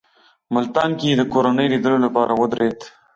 ملتان کې یې د کورنۍ لیدلو لپاره ودرېد.